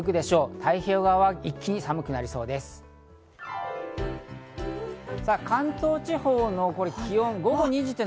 太平洋側は一気に寒くなるでしょう。